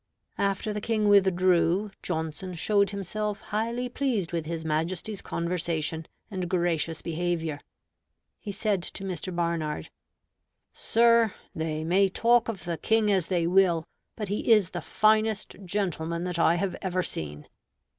After the King withdrew, Johnson showed himself highly pleased with his Majesty's conversation and gracious behavior. He said to Mr. Barnard, "Sir, they may talk of the King as they will; but he is the finest gentleman that I have ever seen."